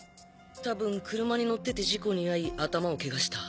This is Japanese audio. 多分車に乗ってて事故に遭い頭をケガした。